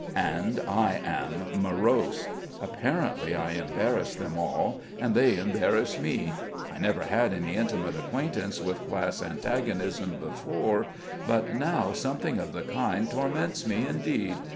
And I am morose. Apparently I embarrass them all and they embarrass me. I never had any intimate acquaintance with class antagonism before, but now something of the kind torments me indeed.